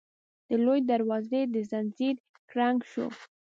د لويي دروازې د ځنځير کړنګ شو.